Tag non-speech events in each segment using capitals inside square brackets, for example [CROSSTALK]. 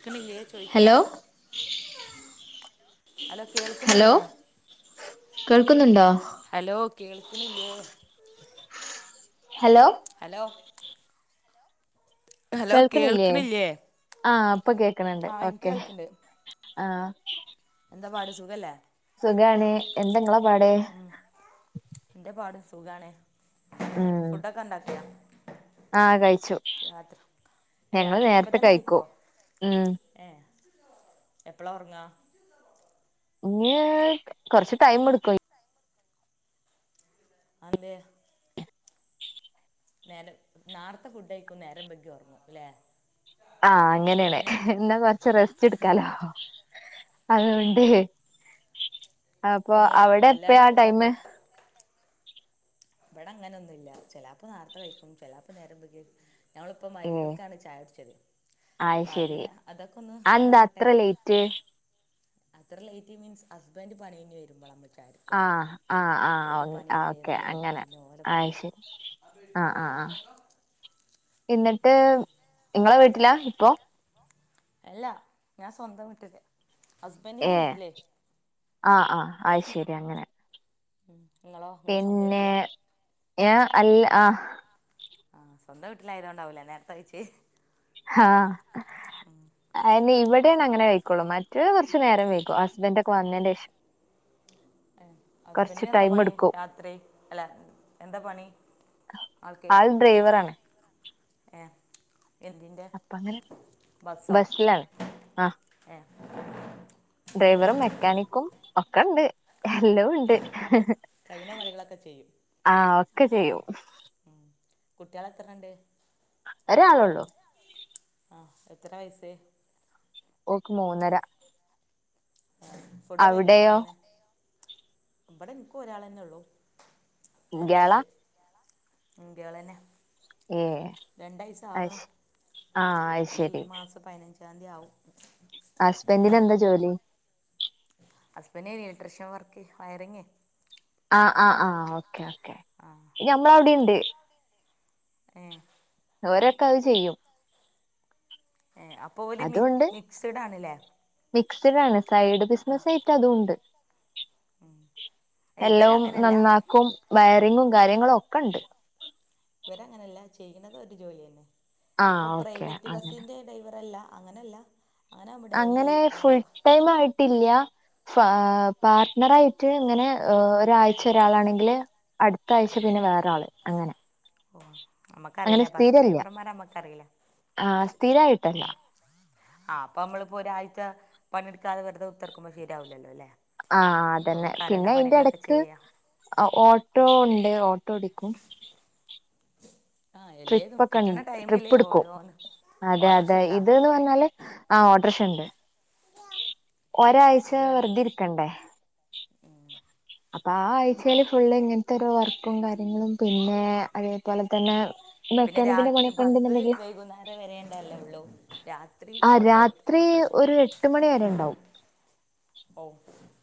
ഇടുക്ക്ണില്ലേ ചോയ്ക്യ hello hello hello hello കേൾക്ക്ണില്ലേ കേൾക്കുന്നുണ്ടോ ഹലോ ഹലോ കേൾക്ക്ണില്ലേ ഹലോ ഹലോ ഹലോ കേൾക്കണില്ലേ കേൾക്ക്ണില്ലേ ആഹ് ഇപ്പൊ കേക്കണണ്ട് ഓക്കേ കേൾക്കണ്ട് ആഹ് എന്താ പാട് സുഖല്ലേ സുഖാണ് എന്താ ഇങ്ങളെ പാട് ഉം ഇന്റെ പാട് സുഖാണ് ഉം ഫുഡൊക്കെ ഇണ്ടാക്കിയാ ആഹ് കഴിച്ചു രാത്രി ഏഹ് ഞങ്ങള് രാത്രിക്ക് നേരത്തെ ഇപ്പോതെന്നെ കഴിക്കോ കഴിക്കും ഉം ഏഹ് എപ്പളാ, ഒറങ്ങാ ഇന്നി കൊറച്ച് ടൈം എടുക്കും അതെന്തേ നേരം നാർത്തെ ഫുഡേയിക്കും നേരം വെയ്ക് ഒറങ്ങു ല്ലെ ആഹ് അങ്ങനെയണ് എന്നാ കൊറച്ച് റസ്റ്റ് എടുക്കാലോ ആ അതോണ്ട് അപ്പൊ നിങ്ങള് അവിടെ എപ്പയ എല്ലാരും ടൈം ഇവിടെ അങ്ങനെ ഒന്നും ഇല്ല ചെല്ലാപ്പോ നർത്തെ കഴിക്കും ചെല്ലാപ്പോ നേരം വെ ഞമ്മളിപ്പോ ഏഹ് മയിരിബിക്കാണ് ചായ കുടിച്ചത് അത് അപ്പൊ അതിന് അതൊക്കെ ഒന്ന് എന്താാവട്ടെ റ്റ് അത്ര ലേറ്റ് മീൻസ് ഹസ്ബൻഡ് പണി കയിഞ്ഞ് വരുമ്പോള്ളാ നമ്മക്ക് ആഹ് ആഹ് [UNINTELLIGIBLE] ഒര് പണി ആഹ് ഓക്കെ കഴിഞ്ഞ് അങ്ങനെ പിന്നെ അത് ഓലപ്പങ്ങനെ ശരി ആഹ് [UNINTELLIGIBLE] ആഹ് ആഹ് നൊക്കാ എന്നിട്ട് ഇങ്ങളെ വീട്ടിലാ ഇപ്പോ അല്ലാ ഞാൻ സ്വന്തം വീട്ടില് ഹസ്ബൻഡിൻ്റെ ഏഹ് വീട്ടിലേ ആഹ് ആഹ് അയ് ശരി അങ്ങനെ ഉം ഇങ്ങളോ പിന്നെ ഞാൻ അൽ ആഹ് ആഹ് സ്വന്ത വീട്ടിലായതുകൊണ്ടാവൂല്ല നേരത്തെകയ്ച്ചേ ഹാഹ് അയിനിവിടെയാണ് അങ്ങനെ കഴക്കോളൂ മറ്റെ കൊറച്ച് നേരം വൈകും ഹസ്ബൻഡറ് ഒക്കെ വന്നതിന്റെശേഷം ഹസ്ബൻറിന് എന്താ ടൈം പണി എടുക്കും രാത്രി അല്ല എന്താ പണി ആൾ ഡ്രൈവറാണ് ഏഹ് എന്തിന്റെ അപ്പ അങ്ങനെ ബസ്സോ ബസ്സിലാണ് ആഹ് ഏഹ് ഡ്രൈവറും മെക്കാനിക്കും ഒക്കെണ്ട് എല്ലാംണ്ട് കഴിയണ പണികളൊക്കെ ചെയ്യും ഒക്കെ ല്ലെ ചെയ്യും ഉം കുട്ട്യാൾ എത്രണ്ട് ഒരാളൊള്ളൂ ആഹ് എത്ര വയസായ് ഓൾക്ക് മൂന്നര ഫുഡ കഴിക്കാനെ അവിടെയോ എങ്ങനെ ഇവിടെ ഇന്ക്കും ഒരാൾന്നെ ഒള്ളു ഇയാളാ രണ്ടയസ് ഉം ഗേളന്നെ ഏ രണ്ടയസ് ആവണൂ അയ്ശ് ആഹ് ഈ അയ്ശരി മാസ പതിനഞ്ചാംതീയാവും ഹസ്ബൻറിന് എന്താ ജോലി ഹസ്ബൻണ്ട് ഇലട്രീഷൻ വർക്ക് വയറിങ്ങ് ആഹ് ആഹ് ആഹ് ഓക്കെ ഓക്കെ ആഹ് ഞമ്മളവിടെയുണ്ട് ഏഹ് അവരൊക്കെ അത് ചെയ്യും ഏഹ് അപ്പോൾ ഓല് മി മിക്സഡ് ആണല്ലേ മിക്സ്ഡ് ആണ് സൈഡ് ബിസിനസ്സ് ആയിട്ട് അതുംണ്ട് എല്ലാം ഇവരങ്ങനല്ല നന്നാക്കും വയറിങ്ങും കാര്യങ്ങളും ഒക്കെ ഉണ്ട് ഇവരങ്ങനെയല്ല ചെയ്യണത് ഒരു ജോലി തന്നെ അപ്പൊ ആഹ് ഓക്കെ പ്രൈവറ്റ് അങ്ങനെ ബസിന്റെ ഡ്രൈവർ അല്ല അങ്ങനല്ല അങ്ങനെ ആകുമ്പോൾ ഡെയിലി അങ്ങനെ ആ ഫുൾ ഫുൾടൈമായിട്ടില്ല എ പാർട്ണറായിട്ങ്ങനെ ഒരാഴ്ച ഒരാളാണെങ്കില് അടുത്താഴ്ച ആ പിന്നെ വേറെ ആള് അങ്ങനെ ഓ അങ്ങനെ നമ്മക്കറിയില്ല ബസ് സ്ഥിരല്ല ഡ്രൈവർമാർമ്മക്കറിയില്ല ആഹ് സ്ഥിരായിട്ടല്ല ഉ ആഹ്പ്പൊ നമ്മളിപ്പോ ഒരാഴ്ച പണെടുക്കാതെവെറുത കുത്തർക്കുമ്പോ ശരിയാവില്ലല്ലോ അല്ലെ ആഹ് അതന്നെ പിന്നെ അയിന്റെ എടക്ക് ചെയ്യാം ഓട്ടോ ഇണ്ട് ഓട്ടോ ഓടിക്കും ആഹ് എല്ലേതും ട്രിപ്പൊക്കെ കിട്ടണ ണ്ട ടൈമില് ട്രിപ്പെടുക്കും ഓരോന്ന് അതെ ഓട്ടർഷ അതെ ഉണ്ടാ ഇതന്ന് പറഞ്ഞാല് ആഹ് ഓട്ട്രഷ ഉണ്ട് ഒരാഴ്ച വെറുതെ ഇരിക്കണ്ടേ ആഹ് അപ്പൊ ആ ആഴ്ചൽ ഫുള്ള് ഇങ്ങനത്തെരു വർക്കും കാര്യങ്ങളും പിന്നെ അതേപോലെ തന്നെ പിന്നെ മെക്കാനിക്കിന്റെ രാത്രി പണിയൊക്കെ ബസ്സ് ഉണ്ടെന്നുണ്ടെങ്കിൽ വൈകുന്നേരം വരേണ്ടല്ലേ ഒള്ളൂ രാത് ത്രീ ആ ഓട്ടോട്ട് രാത്രി ഓട്ടറിക്ഷ ഒരു എട്ട് മണി വരെ ഉണ്ടാവും ഓ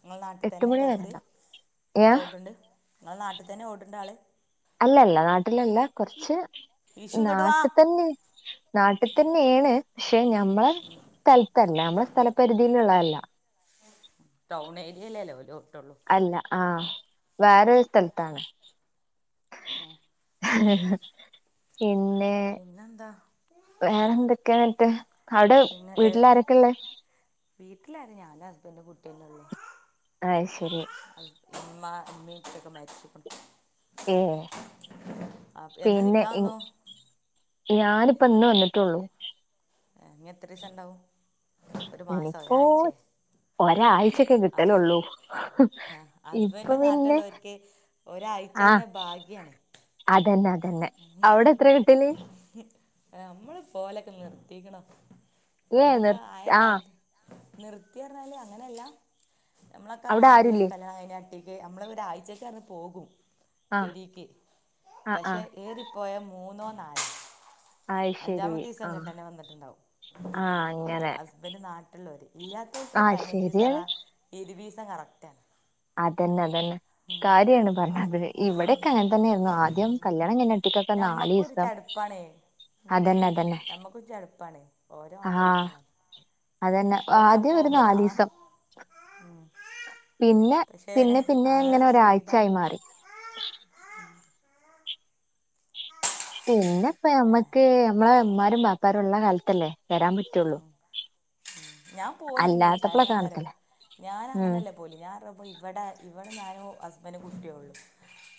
നിങ്ങൾ നാട്ടിൽ എട്ട് തന്നെ മണി വരെ ബസ്സ് ഉണ്ടാവും ഏ ഓട്ടുണ്ട് നിങ്ങൾ നാട്ടിൽ തന്നെ ഓട്ടുണ്ട് ആള്. അല്ലല്ല നാട്ടിലല്ല കുറച്ച് വിഷു ഇങ്ങോട്ട് വാ നാട്ടിൽ തന്നെ നാട്ടിൽ തന്നെയാണ് പക്ഷെ ഞമ്മളെ സ്ഥലത്തല്ല ഞമ്മളെ സ്ഥലപരിധിയിലുള്ള അല്ല ടൗൺ ഏരിയെലല്ലേ ഓല് ഒട്ടള്ളൂ അല്ല ആഹ് വേറരു സ്ഥലത്താണ് ആഹ് പിന്നെ പിന്നെന്താ വേറെ എന്തൊക്കെയാന്നിട്ട് അവിടെ വീട്ടിലാരൊക്കെ ഉള്ളേ വീട്ടിലാര് ഞാനും ഹസ്ബൻഡ് കുട്ടിയന്നെ ഒള്ളൂ അയ് ശരി ഹസ്ബൻ ഇമ്മ, ഇമ്മേം ഇപ്പേയൊക്കെ മാരിച്ക്ണ് ഏഹ് എന്നാ പിന്നെ നിക്കാൻ എനി വന്നു ഞാനിപ്പ ഇന്ന് വന്നിട്ടുള്ളൂ ഏഹ് ഇനി എത്രീസം ഉണ്ടാവും ഒരു മാസൊ ഇനിയിപ്പോ ഒരാഴ്ചെ. ഒരാഴ്ചൊക്കെ ഹസ് കിട്ടലുള്ളൂ ഹാ ഇപ്പൊ ഹസ്ബൻഡ് പിന്നെ നാട്ടിലുള്ളവർക്കെ ആ ഒരാഴ്ചന്നെ ഭാഗ്യാണ് അതന്നെ അതന്നെ അവിടെ എത്ര കിട്ടല് നമ്മള് പോവലൊക്കെ നിർത്തിക്ക്ണ് ഏ നമ്മളൊക്കെ നിർ ആ ആയക്കാല നിർത്തി പറഞ്ഞാല് അങ്ങനല്ല നമ്മളൊക്കെ അവിടെ ആദ്യേ ആരുല്ലേ കല്യാണം കഴിഞ്ഞ ക്ക് നമ്മള ഒരാഴ്ചക്ക് പറഞ്ഞു പോകും ആ പെരിക്ക് ആ ആ പക്ഷെ ഏറിപ്പോയ മൂന്നോ, നാലോ അയ് ശരി അഞ്ചാമത്തെ ദിസം ആ ഇങ്ങട്ടന്നെ വന്നിട്ടുണ്ടാവും ആ അങ്ങനെ ഹസ്ബൻഡ് നാട്ടുള്ളൊര് ഇല്ലാത്തവർക്ക് ആ പയിനഞ്ചിസറ ശരിയാണ് ഇരുവീസം കറക്റ്റാണ് അതന്നെ അതന്നെ കാര്യാണ് പറഞ്ഞ അതവെ ഇവിടെക്കെ അങ്ങനെ തന്നെയായിരുന്നു ആദ്യം കല്യാണം കഴിഞ്ഞ് ഒറ്റക്കൊക്കെ നാല് ഞമ്മക്കൊരു ദിസം ചടുപ്പാണേ ഉം. അതന്നെ അതന്നെ ഞമ്മക്കൊരു ചടുപ്പാണ് ഓരോ മാത്രം ആഹ് പറഞ്ഞിട്ട് കാര്യം അതന്നെ ആദ്യം ഒരു നാലീസം ഉം പിന്നെ പിന്നെ പിന്നെ ഇങ്ങനെ ഒരാഴ്ചായി മാറി ആഹ് ആഹ് പിന്നെപ്പ നമ്മക്ക് നമ്മളെ ഉമ്മാനും വാപ്പാനും ഉള്ള കാലത്തല്ലേ വരാൻ പറ്റുള്ളൂ ഉം ഞാൻ പോവലിണ്ട് അല്ലാത്തപ്പള കാരണം എന്താറിയോ കാണിക്കല ഞാൻ ഉം അങ്ങനെയല്ലേ പോവല് ഞാൻറ ഇവിടെ ഇവിടെ ഞാനു ഹസ്ബന്റ് കുട്ടിഒള്ളു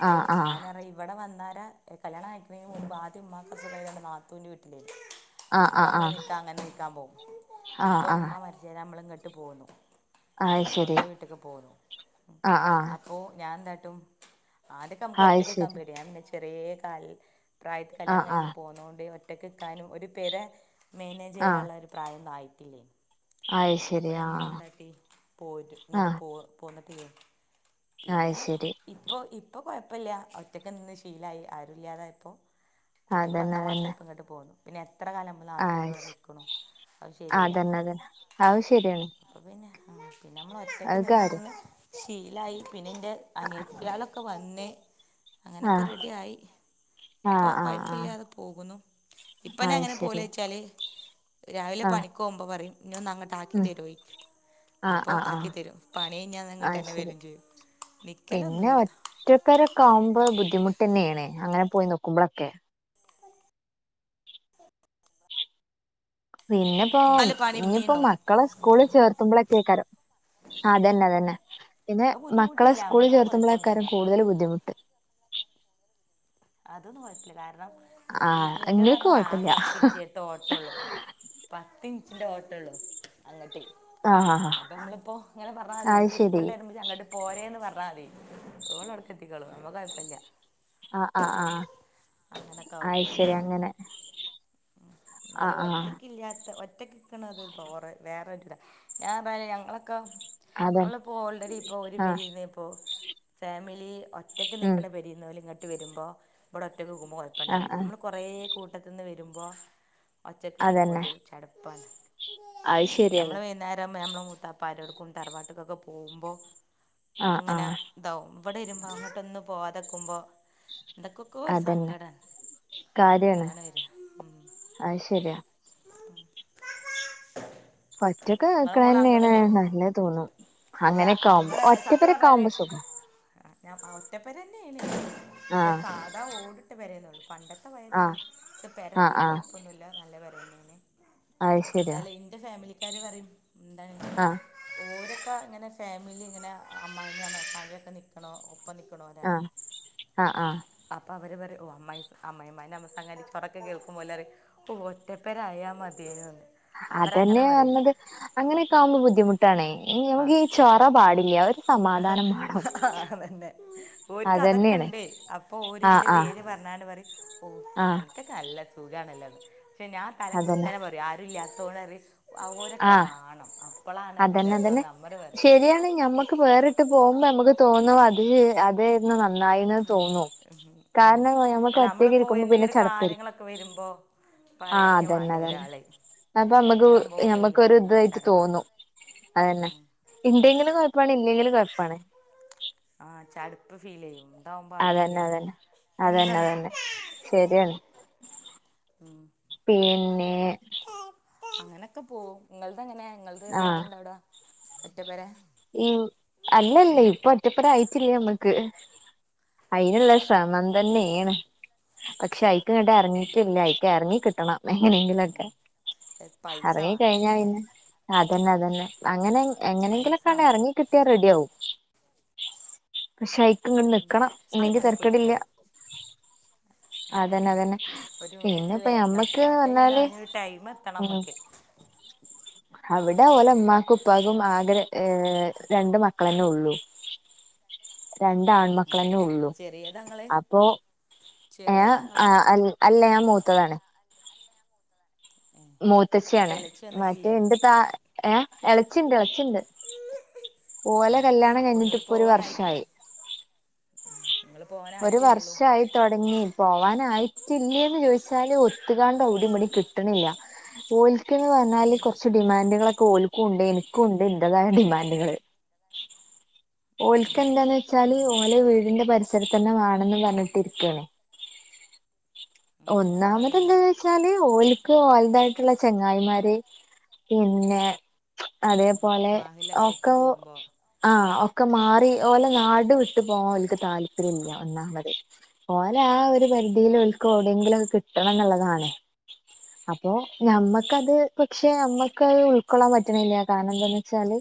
അപ്പൊ ആഹ് ആഹ് ഞാന് ഇറങ്ങി ഇവിടെ വന്നാരെ കല്യാണം കഴിക്കണെന് മുമ്പ് ആദ്യം ഉമ്മാക്ക് അസുഖയതോണ്ട് നാത്തുൻ്റെ വീട്ടിലേയ്നി ആഹ് അപ്പൊ ആഹ് നമ്മള് ആഹ് നിക്കാ അങ്ങനെ നിക്കാൻ പോകും ഇപ്പ ആഹ് ആഹ് ഉമ്മ മരച്ചേരാ നമ്മളും ഇങ്ങട്ട് പോന്നു അയ് ഇവരെ ശരി സ്വന്തം വീട്ടക്ക് പോന്നു ആഹ് ആഹ് അപ്പോ ഞാൻ എന്താട്ടും ആദ്യൊക്കെ നമക്ക് അയ് ഒറ്റക്ക് നിക്കാൻ ശരി പേടിയ പിന്നെ ചെറിയ കാൽ പ്രായത് കല്യാണം ആഹ് കഴിഞ്ഞ് ആഹ് പോന്നോണ്ട് ഒറ്റകെക്കാനും ഒരു പെര മേനേജ് ആഹ് ചെയ്യാനുള്ള ഒരു പ്രായഒന്നും ആയിട്ടില്ലേനി അയ് അപ്പൊ ശരി ആഹ് ഞമ്മളെന്താക്കി പോയിട്ട് ഇങ്ങോട്ട് ആഹ് പോ പോന്നിട്ടില്ലേയന് അയ് പിന്നെ ശരി ഇപ്പൊ ഇപ്പൊ കൊഴപ്പില്ല ഒറ്റക്ക് നിന്ന് ശീലായി ആരുല്ലാതായപ്പോ കുട്ടിക്ക് അതന്നെ പത്താം അതന്നെ മാസായപ്പോം ഇങ്ങട്ട് പോന്നു പിന്നെ എത്ര കാലം നമ്മൾ നാത്തുൻ്റെ അയ് കൂടെ ശ നിക്ക്ണ് അത് ശരിയല്ലല്ലോ അതന്നെ അത് ശരിയാണ് ഇപ്പൊ പിന്നെ ഉം പിന്നെ നമ്മൾ ഒറ്റയ്ക്ക് അത് നിന്ന് കാര്യം നിന്ന് ശീലായി പിന്നെ എന്റെ അനിയത്തിയാളൊക്കെ വന്നെ അങ്ങനൊക്കെ ആഹ് റെഡി ആയി ഇപ്പൊ ആഹ് ആഹ് ആഹ് കൊഴപ്പില്ലാതെ പോകുന്നു ഇപ്പന്നെ അയ് അങ്ങനെ പോല് ശരി വച്ചാല് രാവിലെ ആഹ് പണിക്കോവുമ്പോ പറയും ഇന്നെ ഒന്ന് അങ്ങട്ട് ആക്കി ഉം തരോ ചോയ്ച്ചും. ആഹ് അപ്പൊ ആഹ് ആക്കി ആഹ് തരും. പണി കഴ്ഞ്ഞാ അത് അയ് ഇങ്ങട്ടെന്നെ ശരി വരും ചെയ്യും. നിക്കലൊന്നുല്ല. ഒറ്റപ്പെരൊക്കെ ആകുമ്പോ ബുദ്ധിമുട്ടെന്നേണ് അങ്ങനെ പോയി നിക്കുമ്പെളൊക്കെ. പിന്നെപ്പോ നാല് പണി ഇഞ്ഞ് പ്പം പിന്നെയുണ്ടോ മക്കളെ സ്കൂൾള് ചേർത്തുമ്പളൊക്കെക്കാരം. അതന്നെ അതന്നെ. പിന്നെ അത് മക്കളെ ബുദ്ധിമുട്ടില്ല സ്കൂളിൽ നമ്മക്ക് ആ കുഴപ്പമൊന്നുമില്ല ചേർത്തുമ്പേളേക്കാരം നമ്മള് കൂടുതൽ ബുദ്ധിമു അതൊന്നും കൊഴപ്പല്ല. കാരണം ഇ ആഹ് ഇന്റെ ന്ന് ഇങ്ങൾക്ക് പറഞ്ഞാ ആകെ കൊഴപ്പില്ല പത്തിൻറ്റ് നേരത്തെ ഓട്ടൊള്ളു. പത്തിൻറ്റിന്റെ ഓട്ടൊള്ളു. അങ്ങട്ട്. ആഹ് ആഹ് അപ്പൊ നമ്മള്പ്പോ ഇങ്ങനെ പറഞ്ഞാ മതി അത് എടീ സ്കൂള് ശരി വിട്ടെരുമ്പോ ഇജ്ജ് അങ്ങട്ട് പോരേന്ന് പറഞ്ഞാ മതി. ഓള് അവ്ട്ക്കെത്തിക്കോളും ഞമ്മക്ക് കൊയപ്പല്യ. ആഹ് ആഹ് ആഹ്. അങ്ങനൊക്കെ ആയ് ശെരി അങ്ങനെ. ഉം ആഹ് ഇന്നാലും ആഹ് ഒറ്റക്കി ല്യാത്ത ഒറ്റക്ക് നിക്ക്ണത് ബോറ് വേറൊര് ഇതാ. ഞാൻ പറഞ്ഞാല് ഞങ്ങളൊക്കെ അതെ നമ്മളിപ്പോ ഓൾറെഡി ഇപ്പൊ ഒരു ആഹ് പെരീന്ന് ഇപ്പോ ഫാമിലി ഒ റ്റക്ക് ഉം നിക്ക്ണ പെരീന്ന് ഓല് ഇങ്ങട്ട് വരുമ്പോ ഇവടെ ഒറ്റക്ക് നിക്കുമ്പം ആഹ് കൊയപ്പണ്ടാവൂല്ല. ആഹ് നമ്മൾ കുറേ കൂട്ടത്ത്ന്ന് വരുമ് പൊ ഒറ്റക്ക് നിക്കുമ്പൊ അതന്നെ ഒരു ചടപ്പാണ്. അത് ശരിയാണ് നമ്മള് വൈന്നാരം നമ്മളെ മൂത്തപ്പാരോടുക്കും തറവാട്ട്ക്കൊക്കെ പോവുമ്പോ. ആഹ് ഇങ്ങനെ ആഹ് ഇതാവും. ഇവടെ വരുമ്പോ അങ്ങട്ടൊന്നും പോവാതെ നിക്കുമ്പോ എന്തൊക്കൊക്കോ ഒരു അതന്നെ സങ്കടാ. കാര്യാണ് അതാണ് വെരാ. അത് ശരിയാ [INAUDIBLE] ഒറ്റക്ക് നിങ്ങളെ മോള് നിക്ക്ണതന്നേണ് അംഗള നല്ലത് തോന്നും. അല്ല അങ്ങനെ ഒക്കാവുമ്പോ ഒറ്റ പെരൊക്കെ ആവുമ്പോ സുഖാ. ആഹ് ഞാൻ ആഹ് ഒറ്റ പെരന്നേണ് ക്ഷെ ആഹ് സാധാ ഓടിട്ട പെരേന്നൊള്ളൂ. പണ്ടത്തെ പയേ ആഹ് പെരാ. ക്ഷെ ആഹ് പെരക്കൊരു ആഹ് കൊഴപ്പൊന്നുല്ല നല്ല പെരന്നേണ്. അത് ശരിയാ അതല്ല ഇന്റെ ഫാമിലിക്കാര് പറയും എന്താണ്. ആഹ് ഓരൊക്കെ ഇങ്ങനെ ഫാമിലി ഇങ്ങനെ അമ്മായിമ്മീം അമ്മോശൻ കാക്കിം ഒക്കെ നിക്ക്ണ ഒ പ്പം നിക്ക്ണോരാണ്. ആഹ് ആഹ് ആഹ് അപ്പൊ അവര് പറയും ഓഹ് അമ്മായിസ് അമ്മായിമ്മാൻ്റിം അമ്മോശൻ കാക്കാന്റിം ഇപ്പൊറൊക്കെ കേൾക്കുമ്പോ ഓല് പറയും. ഒഹ് ഒറ്റപെരായാ മതിയേനൂന്ന്. അതന്നെ പറയണത്. അങ്ങനൊക്കാവുമ്പോ ബുദ്ധിമുട്ടാണേ. ഇ ആ ഞമക്ക് ഈ ചൊറ പാടില്ല്യാ ഒര് സമാധാനം മാണം. ഓര്ക്ക് അതൊക്കെണ്ട് അപ്പോ ഓര് ഇന്റെ ആഹ് പേര് പറഞ്ഞാണ്ട് പറയും. ഓഹ്. ആഹ് അൻക്കൊക്കെ നല്ല സുഖാണല്ലോന്ന്. പക്ഷെ ഞാൻ അതന്നെ തലകുത്തനെ പറയും ആരുല്ല്യത്തോണ്ട് പറയും ഓരൊക്കെ വാണം അപ്പളാണ് ഒരു രസം ന്നതന്നെ. നമ്മൾ പറയും ശരിയാണ് ഞമ്മക്ക് വേറിട്ട് പോവുമ്പ നമക്ക് തോന്നും അത് അതേര്ന്നു നന്നായീന്നേന്ന് തോന്നും. ഉം, ഉം. കാരണം [UNINTELLIGIBLE] നമ്മൾ അല്ല ക്കൊറ്റക്ക് നമ്മളിപ്പോൾ ഇരിക്കുമ്പോ പിന്നെ എന്തെങ്കിലും ചടപ്പേര്ക്കും. കാര്യങ്ങളൊക്കെ വരുമ്പോൾ ആഹ് പറയാൻ അതന്നെ വേണ്ട അതന്നെ. ഒരാൾ അപ്പ നമ്മക്ക് ഇതാകുമ്പോൾ ഒന്നുമില്ല ഞമ്മക്കൊര് അതാകുമ്പോൾ ഇതായിറ്റ് ചടപ്പാണ് തോന്നും. അതെന്നെ. ഇണ്ടെങ്കിലും കൊയപ്പാണ് ഇല്ലെങ്കിലും കൊയപ്പാണ്. ആഹ് ചടപ്പ് ഫീലെയ്യും ഇണ്ടാവുമ്പോ അതില്യാ. എന്താണ് ശെരിയാണ്. ഉം. പീന്നെ. അങ്ങനൊക്കെ പോവും. ഇങ്ങൾത് എങ്ങനെ, ഇങ്ങൾത് എത്ര ആഹ് ആള്ണ്ടവിടെ, ഒറ്റ പെരേ? ഈ അല്ലല്ലേ ഇപ്പൊ ഒറ്റ പെര ആയിറ്റില്ല ഞമ്മക്ക്. അയിന്ള്ള ശ്രമം ഏഹ് തന്നേണ് പക്ഷെ അയ് ഇക്കയിങ്ങട് എറങ്ങീട്ടില്ല ഇക്ക എറങ്ങികിട്ടണം. എങ്ങനെയെങ്കിലൊക്കെ പൈസ വേണ്ടല്ലേ എറങ്ങിക്കഴിഞ്ഞാപിന്നെ. അതന്നെ അതന്നെ അങ്ങനെ എങ്ങനെയെങ്കിലൊ പൈസ വേണം കിട്ട്യാ റെഡിയാവും പക്ഷേ അയ് ക്കങ്ങനെ നിക്കണം ഇല്ലെങ്കി അങ്ങനെ തരക്കേടില്ലാ. പൊയ്ക്കോളും അത അതന്നെ അതന്നെ ഒരു ഇത് പിന്നെപ്പ വരണം ഞമ്മക്ക് സ്റ്റാട്ട് ചെയ്യാനാ അയിനൊരു ടൈമെത്തണം നമ്മക്ക്. അവിട് ടെ ഓലെ ഉമ്മാക്കും ഉപ്പാകും ആഗ്ര ഏ രണ്ടു മക്കളന്നെയൊള്ളു. രണ്ട് ഉം അപ്പൊ ആൺമക്കളന്നെയൊള്ളു ചെറിയതങ്ങള് അപ്പൊ. ഏ ചെറിയതങ്ങള് ആ അൽ അല്ല ഞാൻ മൂത്തതാണ്. ഏഹ് അപ്പൊ മൂത്തച്ചിയാണ് ഇളച്ചി മറ്റേ വന്നിട്ടില്ലേ എൻ്റെ താ ഏ എളച്ചിണ്ട് എളച്ചിണ്ട്. ഓലെ ഏഹ് കല്യാണം അപ്പൊ കഴിഞ്ഞിട്ട് ഇങ്ങട് ഇപ്പൊ ഒരു പോവാനായിട്ടുണ്ട് വർഷായി. നിങ്ങള് ഒരു പോവാനായിട്ടല്ലേള്ളൂ വർഷായിതൊടങ്ങി. പോവാനായിട്ടില്ലേന്നു ചോദിച്ചാല് ഒത്തുകാണ്ട് ഒരുമണി കിട്ടണില്ല ഓല് ക്കെന്നുപറഞ്ഞാല് ഉം കൊറച്ച് ഡിമാൻഡുകളൊക്കെ ഓലുക്കുവൊണ്ട് എനിക്കുവൊണ്ട് എന്റേതായ ഡിമാൻഡുകള്. ഏഹ് ഓലിക്കെന്താന്നുവെച്ചാല് അതുപോലെ ഓല് വീടിന്റെ പരിസരത്തുതന്നെ വേണന്നു പറഞ്ഞിട്ടിരിക്കയാണ്. ഉം നിങ്ങൾക്ക് ഒന്നാമത് അതുണ്ടാവില്ല എന്താന്നുവെച്ചാല് ഓല് ക്ക് വലുതായിട്ടുള്ള ചെങ്ങായിമാര് പിന്നെ അതെ ഓലെ മാഹിലൊക്കെ വിട്ട് ഒക്കെ പോകുമ്പോ ആ ഒക്കെമാറി അതാണ് ഓലെ നാട് വിട്ട് ട്ടുപോവാൻ ഓൽക്ക് താല്പര്യവില്ല ഒന്നാമത് ഓല് ആ ഒരുപരിധിയില് ഓല് ക്കെവിടെങ്കിലും കിട്ടണന്നൊള്ളതാണ്. അപ്പൊ ഞമ്മക്കത് പക്ഷെ നമ്മക്കത് ഉൾക്കൊള്ളാൻ പറ്റണില്ല കാരണം എന്താന്നുവെച്ചാല്.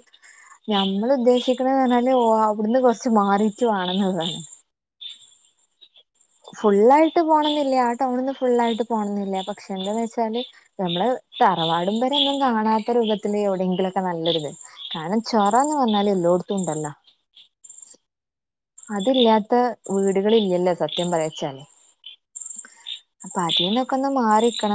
ഞമ്മളുദ്ദേശിക്കണുന്നു പറഞ്ഞാല് ഓ അവിടന്നു കൊറച്ചുമാറിയിട്ട് വേണന്നൊള്ളതാണ്. ഫുള്ളായിട്ടുപോണന്നില്ലാ ആ ടൗണിന്നു ഫുള്ളായിട്ട് പോണന്നില്ലാ പക്ഷെ എന്താന്നുവെച്ചാല്. നമ്മളെ തറവാടും പെരയൊന്നും കാണാത്തരൂപത്തില് എവിടെയങ്കിലൊക്കെ നല്ലൊരിത്. കാരണം ചൊറാന്നുപറഞ്ഞാല് എല്ലോടത്തുണ്ടല്ലാ അതില്ലാത്ത വീടുകളില്ലല്ലോ സത്യം പറയാച്ചാല്. അപ്പൊ അതീന്നൊക്കെയൊന്ന് മാറീക്കണം.